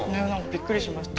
びっくりしました。